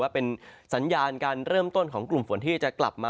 เป็นสัญญาณเริ่มต้นของกลุ่มฝนที่กลับมาตกชุดอีกครั้ง